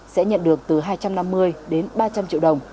sẽ nhận được từ hai trăm năm mươi đến ba trăm linh triệu đồng